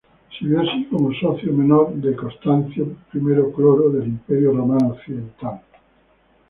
Sirvió así como socio menor de Constancio I Cloro del imperio romano occidental.